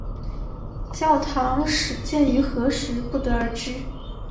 教堂始建于何时不得而知。